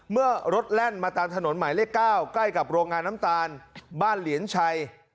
เมื่อรถแล่นมาตามถนนหมายเลข๙ใกล้กับโรงงานน้ำตาลบ้านเหลียนชัย